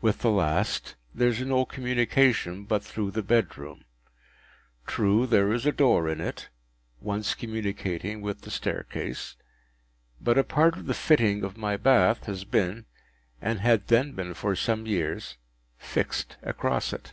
With the last there is no communication but through the bedroom. True, there is a door in it, once communicating with the staircase; but a part of the fitting of my bath has been—and had then been for some years—fixed across it.